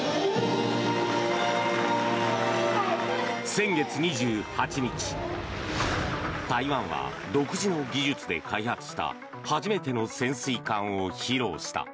先月２８日台湾は、独自の技術で開発した初めての潜水艦を披露した。